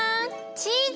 チーズ！